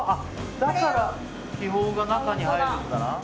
だから気泡が中に入るのか。